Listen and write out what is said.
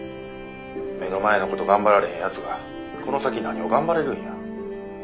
目の前のこと頑張られへんやつがこの先何を頑張れるんや。